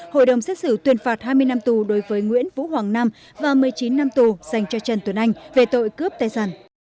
hội đồng xét xử tuyên phạt hai mươi năm tù đối với nguyễn vũ hoàng nam và một mươi chín năm tù dành cho trần tuấn anh về tội cướp tài sản